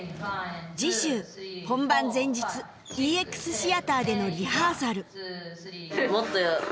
次週本番前日 ＥＸ シアターでのリハーサル